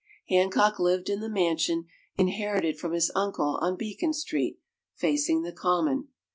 Hancock lived in the mansion, inherited from his uncle, on Beacon Street, facing the Common.